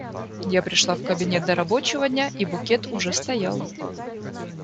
Я пришла в кабинет до рабочего дня, и букет уже стоял.